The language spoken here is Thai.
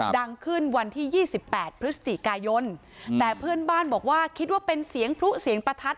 ดังขึ้นวันที่๒๘พฤศจิกายนแต่เพื่อนบ้านบอกว่าคิดว่าเป็นเสียงพลุเสียงประทัด